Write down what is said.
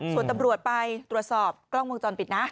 ส่วนตำรวจไปตรวจสอบกล้องวงจรปิดนะ